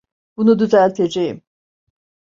Bunu düzelteceğim.